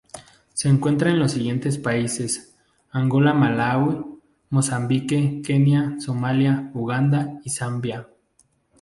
Se encuentra en los siguientes países: Angola Malaui Mozambique Kenia Somalia, Uganda y Zambia.